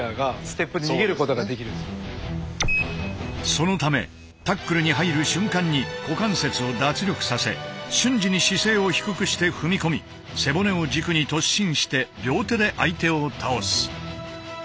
そのためタックルに入る瞬間に股関節を脱力させ瞬時に姿勢を低くして踏み込み背骨を軸に突進して両手で相手を倒す。